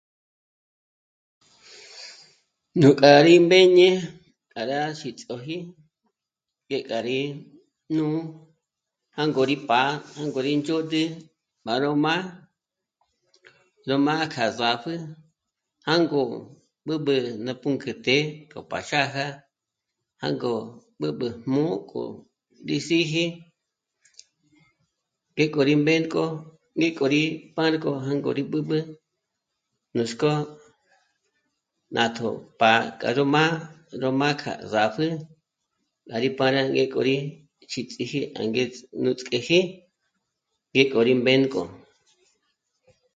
Nuk'a rí mbéñe k'a rá xíts'oji ngék'a rí jnù'u jângo rí pá'a jângo rí ndzhôd'ü b'á ró má'a ró ma kja zàpjü jângo b'ǚb'ü ná pǔnk'ü té'e k'o pa xája jângo b'ǚb'ü jmū̌'ū k'o rí síji ngé k'o rí mběnk'o né k'o rí párgo k'o jângo rí b'ǚb'ü nuts'k'o nátjo pa k'a ró má'a ró má k'a s'ápjü gá rí pâra ngé k'o rí xítsiji angets... nuts'k'éji ngéko rí mběnko